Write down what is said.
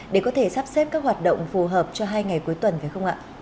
để có thể sắp xếp các hoạt động phù hợp cho hai ngày cuối tuần phải không ạ